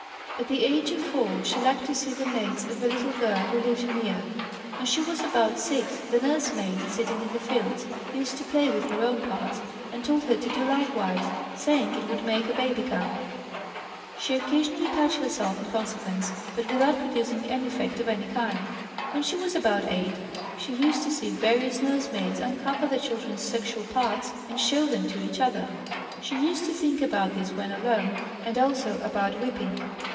At the age of 4 she liked to see the nates of a little girl who lived near. When she was about 6, the nurse maid, sitting in the fields, used to play with her own parts, and told her to do likewise, saying it would make a baby come; she occasionally touched herself in consequence, but without producing any effect of any kind. When she was about 8 she used to see various nurse maids uncover their children's sexual parts and show them to each other. She used to think about this when alone, and also about whipping.